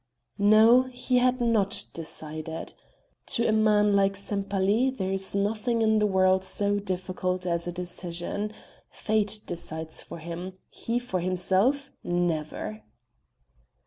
No, he had not decided. To a man like Sempaly there is nothing in the world so difficult as a decision; fate decides for him he for himself! Never.